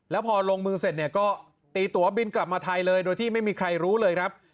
แล้วพอลงมือเสร็จเนี่ยก็ตีตัวบินกลับมาไทยเลยโดยที่ไม่มีใครรู้เลยครับ